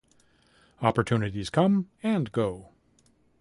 Opportunities come and go.